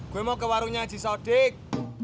gue mau ke warungnya di sodik